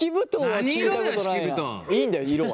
いいんだよ色は。